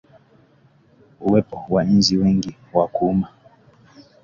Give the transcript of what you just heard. Uwepo wa nzi wengi wa kuuma